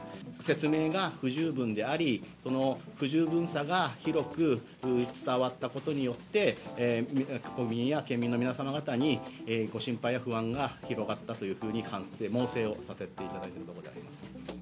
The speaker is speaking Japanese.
説明が不十分であり、その不十分さが広く伝わったことによって、国民や県民の皆様方にご心配や不安が広がったというふうに考えて、猛省をしているところでございます。